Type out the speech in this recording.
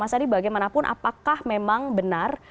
mas adi bagaimanapun apakah memang benar